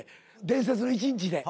『伝説の一日』で。